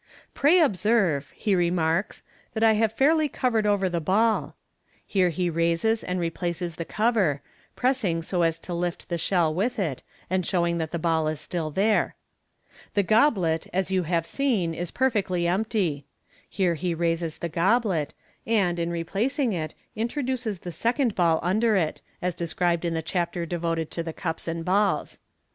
" Pray observe," he remarks, " that I have fairly covered over the oall " (here he raises and replaces the cover, pressing so as to lift the shell with it, and showing that the ball is still there). " The goblet, is you have seen, is perfectly empty." (Here he raises the goblet, and, in replacing it, introduces the second ball under it, as described in the chapter devoted to the Cups and Balls.)